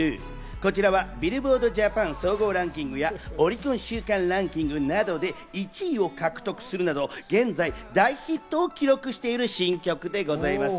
こちらはビルボード・ジャパン総合ランキングや、オリコン週間ランキングなどで１位を獲得するなど現在大ヒットを記録している新曲でございます。